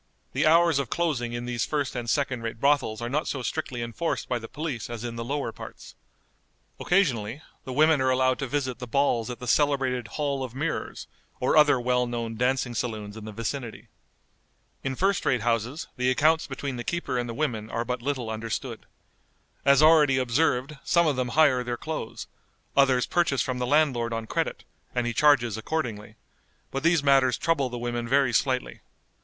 The hours of closing in these first and second rate brothels are not so strictly enforced by the police as in the lower parts. Occasionally the women are allowed to visit the balls at the celebrated Hall of Mirrors, or other well known dancing saloons in the vicinity. In first rate houses the accounts between the keeper and the women are but little understood. As already observed, some of them hire their clothes; others purchase from the landlord on credit, and he charges accordingly; but these matters trouble the women very slightly.